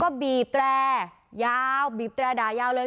ก็บีบแดยาวบีบแดอยาวเลย